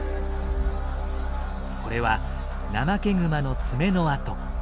これはナマケグマの爪の跡。